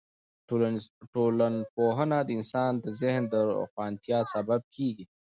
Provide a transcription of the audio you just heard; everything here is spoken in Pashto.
ټولنپوهنه د انسان د ذهن د روښانتیا سبب کیږي.